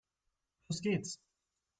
Los geht's!